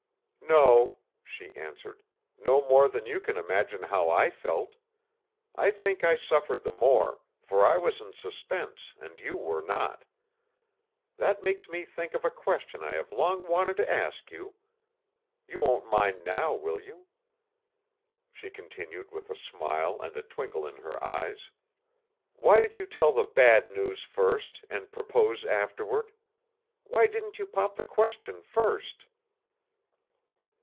"No," she answered; "no more than you can imagine how I felt. I think I suffered the more, for I was in suspense and you were not. That makes me think of a question I have long wanted to ask you. You won't mind now, will you?" she continued with a smile and a twinkle in her eyes. "Why did you tell the bad news first and propose afterward? Why didn't you pop the question first?"